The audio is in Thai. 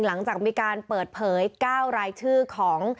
หลังจากมีการเปิดเผย๙รายชื่อของ